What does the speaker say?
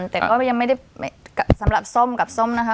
แต่ก็ยังไม่ได้สำหรับส้มกับส้มนะคะ